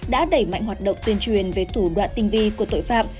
đã đẩy mạnh hoạt động tuyên truyền về thủ đoạn tinh vi của tội phạm